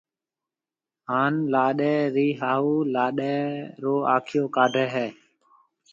ھاڻ لاڏَي رِي ھاھُو لاڏَي رو آکيو ڪاڊَي ھيََََ